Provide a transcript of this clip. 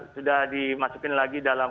sudah dimasukin lagi dalam